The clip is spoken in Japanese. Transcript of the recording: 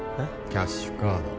キャッシュカード